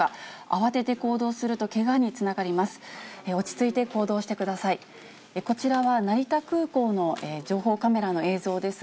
慌てて行動するとけがにつながります。